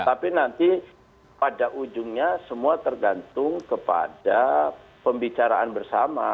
tapi nanti pada ujungnya semua tergantung kepada pembicaraan bersama